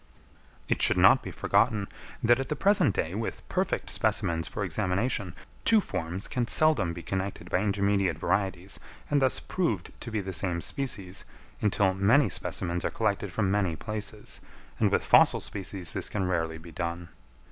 It should not be forgotten, that at the present day, with perfect specimens for examination, two forms can seldom be connected by intermediate varieties, and thus proved to be the same species, until many specimens are collected from many places; and with fossil species this can rarely be done.